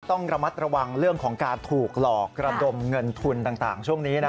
ต้องระมัดระวังเรื่องของการถูกหลอกระดมเงินทุนต่างช่วงนี้นะ